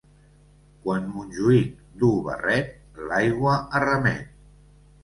Quan Montjuïc duu barret, l'aigua arremet.